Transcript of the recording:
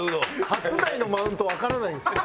初台のマウントわからないんですよ。